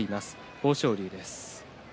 豊昇龍です。